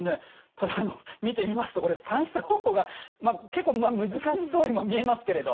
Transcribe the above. ただあの見てみますとこれ算出方法が結構難しそうにも見えますけれど。